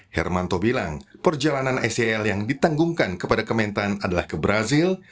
hermanto bilang perjalanan sel yang ditanggungkan kepada kementan adalah ke brazil